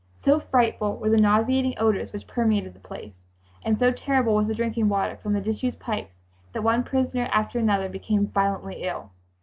So frightful were the nauseating odors which permeated the place, and so terrible was the drinking water from the disused pipes, that one prisoner after another became violently ill.